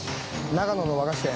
長野の和菓子店